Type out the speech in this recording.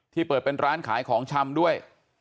เปิดเป็นร้านขายของชำด้วย